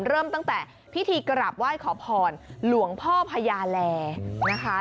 เริ่มตั้งแต่พิธีกราบไหว้ขอพรหลวงพ่อพญาแลนะคะ